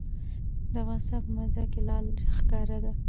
د افغانستان په منظره کې لعل ښکاره ده.